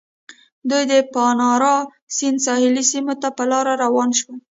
دوی د پانارا سیند ساحلي سیمو ته په لاره روان شول.